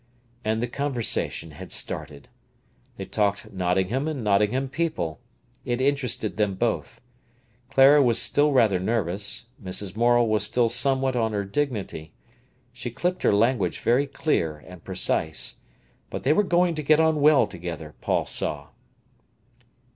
And the conversation had started. They talked Nottingham and Nottingham people; it interested them both. Clara was still rather nervous; Mrs. Morel was still somewhat on her dignity. She clipped her language very clear and precise. But they were going to get on well together, Paul saw.